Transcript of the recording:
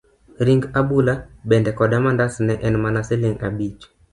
Ring abula bende koda mandas ne en mana siling' abich.